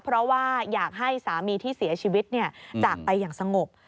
เพราะว่าอยากให้สามีที่เสียชีวิตจากไปอย่างสงบ